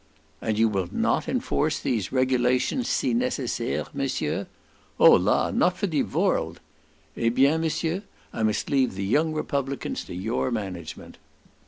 "And you will not enforce these regulations si necessaires, Monsieur?" "Olar! not for de vorld." "Eh bien, Monsieur, I must leave the young republicans to your management."